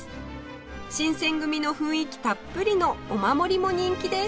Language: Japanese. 新選組の雰囲気たっぷりのお守りも人気です